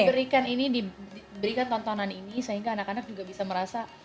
berikan ini diberikan tontonan ini sehingga anak anak juga bisa merasa